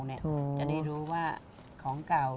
จะได้รู้ว่าของเก่า